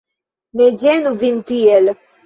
Ne ĝenu vin tiel.